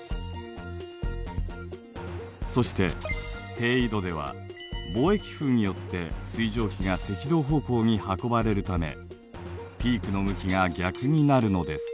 そして低緯度では貿易風によって水蒸気が赤道方向に運ばれるためピークの向きが逆になるのです。